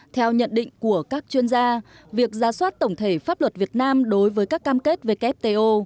theo nhận định của các chuyên gia việc ra soát tổng thể pháp luật việt nam đối với các cam kết wto